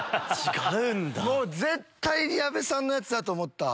もう絶対に矢部さんのやつだと思った。